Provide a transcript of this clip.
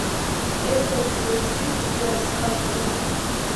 ერთ-ერთი ვერსიით იგი არის ქართველი.